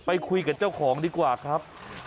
ไปคุยกับเจ้าของดีกว่าครับ